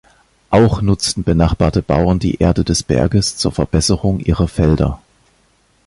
Auch nutzten benachbarte Bauern die Erde des Berges zur Verbesserung ihrer Felder.